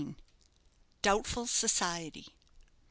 DOUBTFUL SOCIETY.